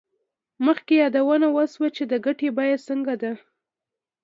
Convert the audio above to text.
مخکې یادونه وشوه چې د ګټې بیه څنګه ده